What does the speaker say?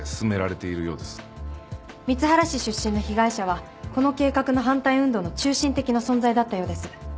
光原市出身の被害者はこの計画の反対運動の中心的な存在だったようです。